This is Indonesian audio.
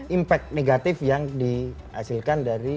impact negatif yang dihasilkan dari